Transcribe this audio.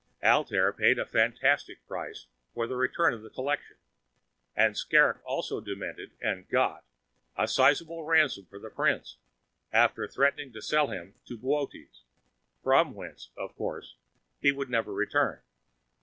Altair paid a fantastic price for the return of the collection, and Skrrgck also demanded, and got, a sizable ransom for the Prince, after threatening to sell him to Boötes, from whence, of course, he would never return.